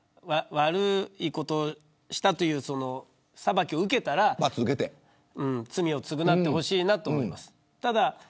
悪いことをしたという裁きを受けたら罪を償ってほしいと思います。